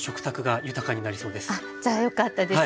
あっじゃあよかったです。